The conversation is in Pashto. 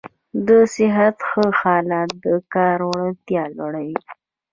د صحت ښه حالت د کار وړتیا لوړوي.